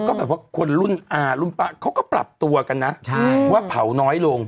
ก็แบบว่าคนรุ่นป้าเขาก็ปรับตัวกันนะว่าเผาน้อยลง